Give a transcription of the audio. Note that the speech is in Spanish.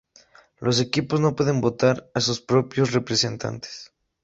Los equipos no pueden votar a sus propios representantes.